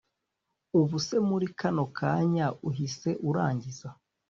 Ubuse muri kano kanya uhise urangiza